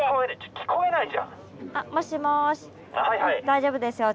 大丈夫ですよ